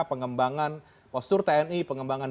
pengembangan postur tni pengembangan